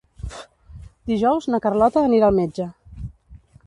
Dijous na Carlota anirà al metge.